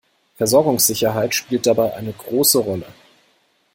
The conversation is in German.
Versorgungssicherheit spielt dabei eine große Rolle.